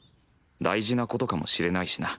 大事ことかもしれないしな。